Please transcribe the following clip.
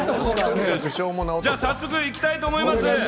早速行きたいと思います。